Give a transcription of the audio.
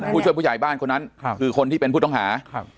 ผู้ช่วยผู้ใหญ่บ้านคนนั้นคือคนที่เป็นผู้ต้องหา